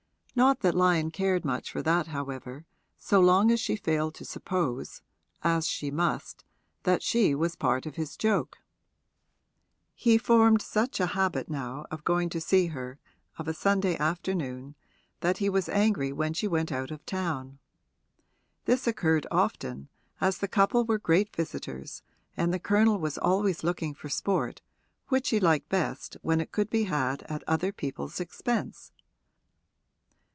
Not that Lyon cared much for that however, so long as she failed to suppose (as she must) that she was a part of his joke. He formed such a habit now of going to see her of a Sunday afternoon that he was angry when she went out of town. This occurred often, as the couple were great visitors and the Colonel was always looking for sport, which he liked best when it could be had at other people's expense.